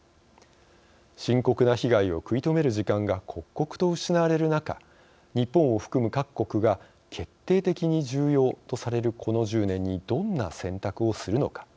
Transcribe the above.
深刻な被害を食い止める時間が刻々と失われる中日本を含む各国が決定的に重要とされるこの１０年にどんな選択をするのか。